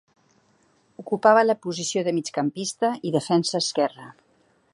Ocupava la posició de migcampista i defensa esquerre.